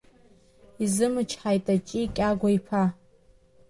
Изымычҳаит Аҷи Кьагәа-иԥа.